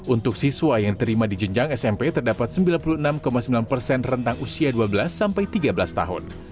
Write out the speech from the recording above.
untuk siswa yang diterima di jenjang smp terdapat sembilan puluh enam sembilan persen rentang usia dua belas sampai tiga belas tahun